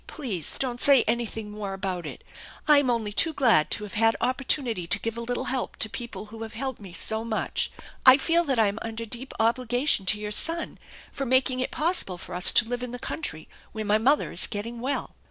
Please don't say anything more about it. I am only too glad to have had opportunity to give a little help to people who have helped me so much. I feel that I am under deep obligation to your son for making it possible for us to live in the country, where my mother is getting well."